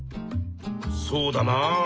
そうだなあ。